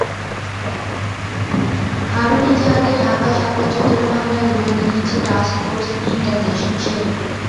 হারুন ইজাহারকে ঢাকার শাপলা চত্বরের মামলায় রিমান্ডে নিয়েছে টাস্কফোর্স ইন্টারগেশন শেল।